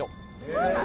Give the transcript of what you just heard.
そうなの？